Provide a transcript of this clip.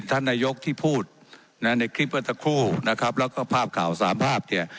ท่านนายกที่พูดนะในคลิปเมื่อสักครู่นะครับแล้วก็ภาพข่าวสามภาพเนี่ย